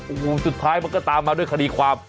โอ้โหสุดท้ายมันก็ตามมาด้วยคดีความ